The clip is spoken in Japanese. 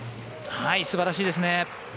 素晴らしいですね。